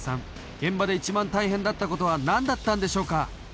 現場で一番大変だったことは何だったんでしょうか？